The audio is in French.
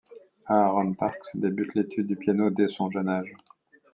Aaron Parks débute l'étude du piano dès son jeune âge.